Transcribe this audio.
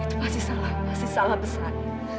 itu pasti salah pasti salah besar